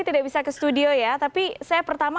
tidak bisa ke studio ya tapi saya pertama